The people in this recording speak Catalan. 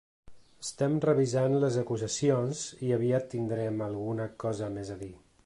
Estem revisant les acusacions i aviat tindrem alguna cosa més a dir.